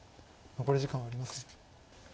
残り時間はありません。